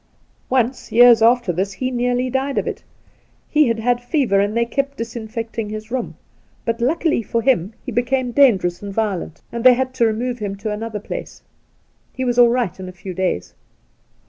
Once — years after this — he. nearly died of it. He had had fever, and they kept disinfecting his room ; but, luckily for him, he became dangerous and violent, lo The Outspan and they had to remove him to another place. He was all right in a few days.'